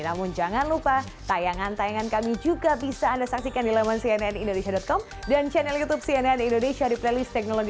namun jangan lupa tayangan tayangan kami juga bisa anda saksikan di laman cnnindonesia com